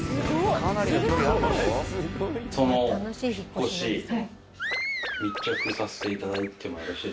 その引っ越し密着させていただいてもよろしいですか？